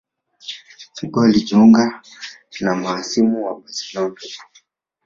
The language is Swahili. Figo alijunga na mahasimu wa Barcelona